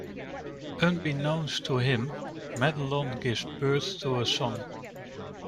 Unbeknownst to him, Madelon gives birth to a son.